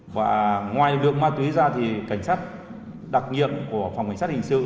và ngoài lượng ma túy ra thì cảnh sát đặc nhiệm của phòng cảnh sát hình sự